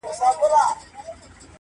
بد هلک بیرته بدیو ته ولاړ سي,